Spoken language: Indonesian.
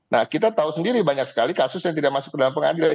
nah kita tahu sendiri banyak sekali kasus yang tidak masuk ke dalam pengadilan